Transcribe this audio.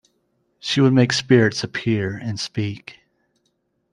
She would make spirits appear and speak!